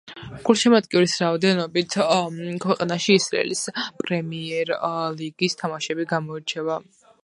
გულშემატკივრის რაოდენობით ქვეყანაში ისრაელის პრემიერ ლიგის თამაშები გამოირჩევა.